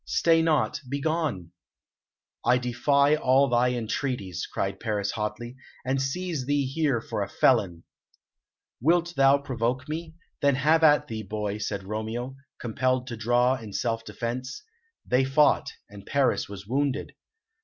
Stay not; begone!" "I defy all thy entreaties," cried Paris hotly, "and seize thee here for a felon." "Wilt thou provoke me? Then have at thee, boy!" said Romeo, compelled to draw in self defence. They fought, and Paris was wounded.